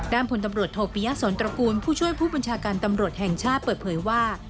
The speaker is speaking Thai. ผลตำรวจโทปิยะสนตระกูลผู้ช่วยผู้บัญชาการตำรวจแห่งชาติเปิดเผยว่า